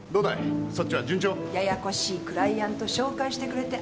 ややこしいクライアント紹介してくれてありがと。